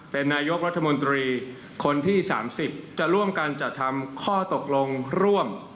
เป็นนายกรัฐมนตรีคนที่๓๐จะร่วมกันจัดทำข้อตกลงร่วม